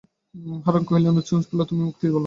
হারান কহিলেন, উচ্ছৃঙ্খলতাকে তুমি মুক্তি বল!